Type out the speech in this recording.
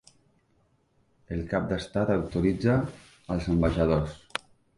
El cap d'estat autoritza els ambaixadors.